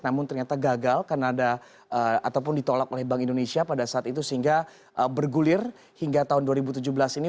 namun ternyata gagal karena ada ataupun ditolak oleh bank indonesia pada saat itu sehingga bergulir hingga tahun dua ribu tujuh belas ini